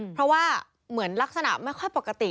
เพราะว่าเหมือนลักษณะไม่ค่อยปกติ